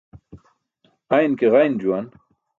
Ayn ke ġayn juwan.